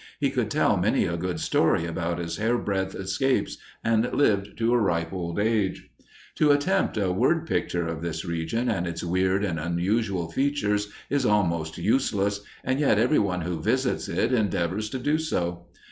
He could tell many a good story about his hairbreadth escapes, and lived to a ripe old age. To attempt a word picture of this region and its weird and unusual features is almost useless, and yet every one who visits it endeavors to do so.